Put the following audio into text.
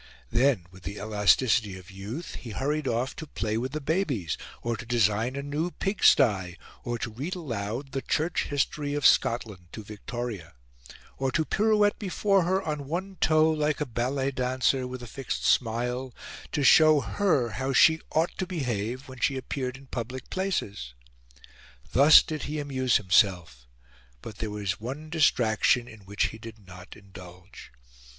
Then, with the elasticity of youth, he hurried off to play with the babies, or to design a new pigsty, or to read aloud the "Church History of Scotland" to Victoria, or to pirouette before her on one toe, like a ballet dancer, with a fixed smile, to show her how she ought to behave when she appeared in public places. Thus did he amuse himself; but there was one distraction in which he did not indulge.